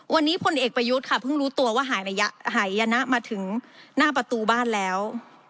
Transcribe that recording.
วันนี้พลเอกประยุทธ์ค่ะเพิ่งรู้ตัวว่าหายยนะมาถึงหน้าประตูบ้านแล้ว